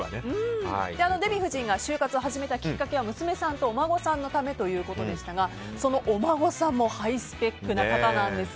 デヴィ夫人が終活を始めたきっかけは娘さんとお孫さんのためということでしたが、お孫さんもハイスペックな方なんです。